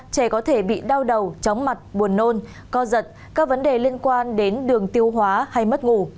trẻ có thể bị đau đầu chóng mặt buồn nôn co giật các vấn đề liên quan đến đường tiêu hóa hay mất ngủ